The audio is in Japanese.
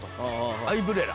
アイブレラ！